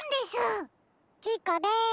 チコでーす。